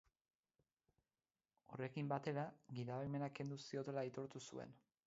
Horrekin batera, gidabaimena kendu ziotela aitortu zuen.